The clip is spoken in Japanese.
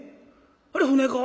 あれ船か？